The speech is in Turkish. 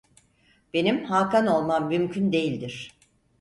Benim hakan olmam mümkün değildir.